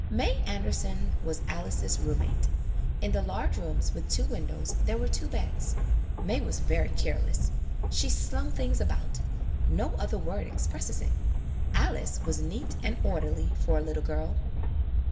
May Anderson was Alice's room mate. In the large rooms with two windows there were two beds. May was very careless. She slung things about ; no other word expresses it. Alice was neat and orderly for a little girl.